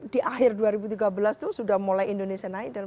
di akhir dua ribu tiga belas itu sudah mulai indonesian nidle